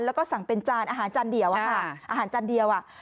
แล้วก็สั่งเป็นจานอาหารจานเดียวอะค่ะอาหารจานเดียวอ่ะ